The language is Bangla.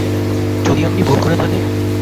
যদি আপনি ভুল করে থাকেন?